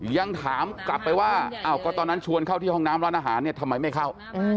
ยังถามกลับไปว่าอ้าวก็ตอนนั้นชวนเข้าที่ห้องน้ำร้านอาหารเนี่ยทำไมไม่เข้า